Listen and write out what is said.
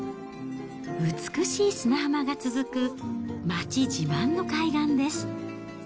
美しい砂浜が続く、街自慢の海岸です。